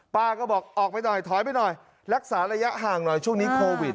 ป้าก็บอกออกไปหน่อยถอยไปหน่อยรักษาระยะห่างหน่อยช่วงนี้โควิด